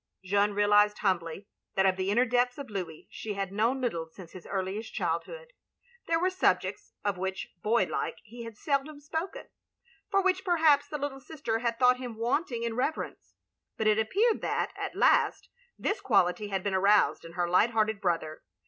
Jeanne realised humbly that of the inner depths of Louis she had known little since his earliest childhood. There were subjects, of which, boy like, he had seldom spoken; for which perhaps, the little sister had thought him wanting in reverence; but it ap peared that, at last, this quality had been aroused in her light hearted brother.